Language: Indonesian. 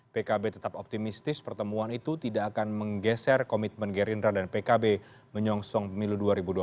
pkb tetap optimistis pertemuan itu tidak akan menggeser komitmen gerindra dan pkb menyongsong milu dua ribu dua puluh